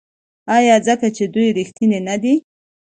آیا ځکه چې دوی ریښتیني نه دي؟